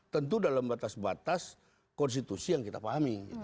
tentu dalam batas batas konstitusi yang kita pahami